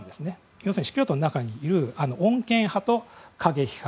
要するにシーク教徒の中にいる穏健派と過激派。